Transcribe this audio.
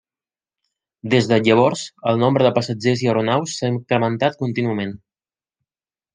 Des de llavors el nombre de passatgers i aeronaus s'ha incrementat contínuament.